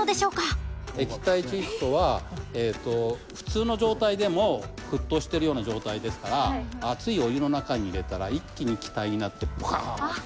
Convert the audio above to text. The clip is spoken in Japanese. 液体窒素は普通の状態でも沸騰してるような状態ですから熱いお湯の中に入れたら一気に気体になってぼかんって。